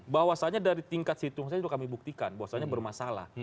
bahwasanya dari tingkat situng itu kami buktikan bahwasanya bermasalah